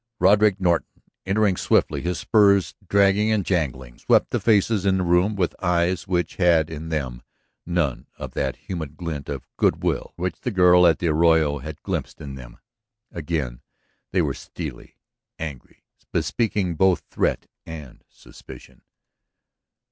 Roderick Norton, entering swiftly, his spurs dragging and jangling, swept the faces in the room with eyes which had in them none of that human glint of good will which the girl at the arroyo had glimpsed in them. Again they were steely, angry, bespeaking both threat and suspicion.